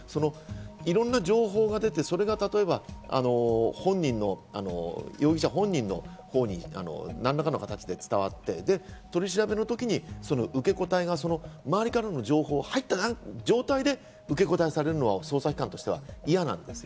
いろんな情報が出て、例えばそれが容疑者本人のほうに何らかの形で伝わって、取り調べの時に受け答えが周りからの情報が入った状態で受け答えされるのは捜査機関としては嫌なんです。